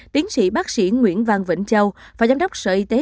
tiến sĩ bác sĩ nguyễn văn vĩnh châu phó giám đốc sở y tế